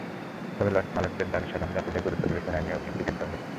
তবে লঞ্চমালিকদের দাবি, সাধারণ যাত্রীদের গুরুত্ব বিবেচনায় নিয়ে অগ্রিম টিকিট দেওয়া হচ্ছে।